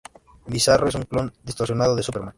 Bizarro es un clon distorsionado de Superman.